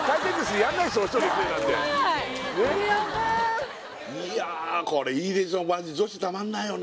ヤバッいやこれいいでしょマジ女子たまんないよね